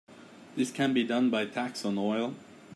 This can be done by a tax on oil.